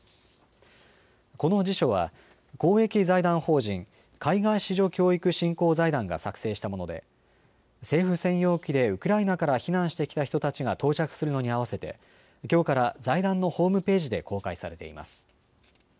この辞書は公益財団法人海外子女教育振興財団が作成したもので政府専用機でウクライナから避難してきた人たちが到着するのに合わせてきょうから財団のホームページで公開されています。